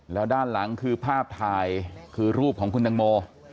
แล้วด้านหลังคือภาพถ่ายคือรูปของคุณตังโม